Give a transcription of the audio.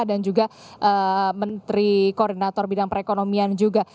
dan juga menteri koordinator bidang perekonomian juga